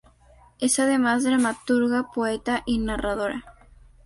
Es además dramaturga, poeta y narradora.